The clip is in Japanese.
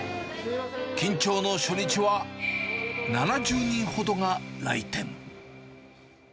緊張の初日は、７０人ほどが来店。